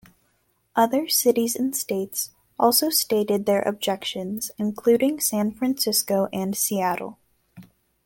Other cities and states also stated their objections including San Francisco and Seattle.